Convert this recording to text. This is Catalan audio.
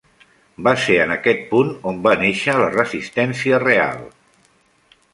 Va ser en aquest punt on va néixer la resistència real.